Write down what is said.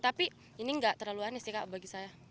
tapi ini nggak terlalu aneh sih kak bagi saya